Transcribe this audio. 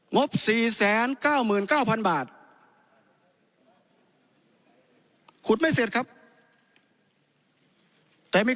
งบสี่แสนเก้าหมื่นเก้าพันบาทขุดไม่เสร็จครับแต่มี